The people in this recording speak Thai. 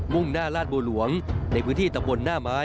่งหน้าลาดบัวหลวงในพื้นที่ตำบลหน้าไม้